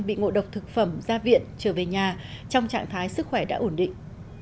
bị ngộ độc thực phẩm ra viện trở về nhà trong trạng thái sức khỏe đã ổn định